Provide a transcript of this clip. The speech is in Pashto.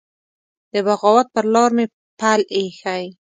د بغاوت پر لار مي پل يښی